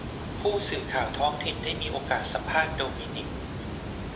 ผู้สื่อข่าวท้องถิ่นได้มีโอกาสสัมภาษณ์โดมินิก